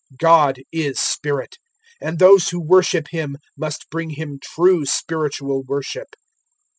004:024 God is Spirit; and those who worship Him must bring Him true spiritual worship."